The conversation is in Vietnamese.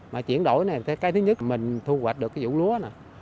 mà chuyển đổi này cái thứ nhất mình thu hoạch được vụ lúa